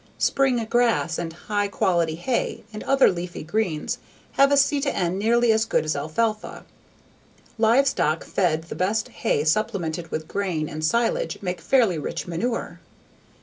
Spring grass and high quality hay and other leafy greens have a C/N nearly as good as alfalfa. Livestock fed the best hay supplemented with grain and silage make fairly rich manure.